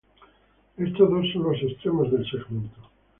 Estos dos son los "extremos" del segmento.